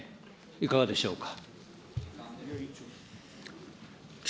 いかがでしょうか。